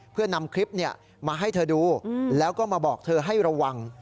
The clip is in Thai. เพื่อนำคลิปมาให้เธอดูแล้วก็มาบอกเธอให้ระวัง